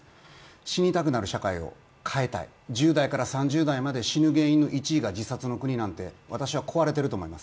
死にたくなる社会を変えたい、１０代から３０代が死にたくなるなんて私は壊れていると思います。